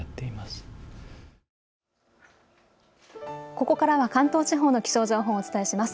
ここからは関東地方の気象情報をお伝えします。